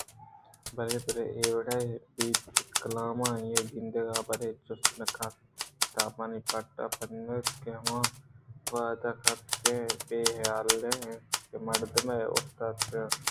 برے برے اے وڑ بیت کہ کلام آئی ءَ گندیت بلئے جستے نہ کنت ءُکتابانی پّٹگ بنا کنت ءُآ ہمودا ودار کنت ءُآ بے حال اِنت کہ مردمے اوشتاتگ